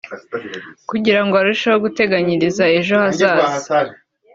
kugirango arusheho guteganyiriza ejo hazaza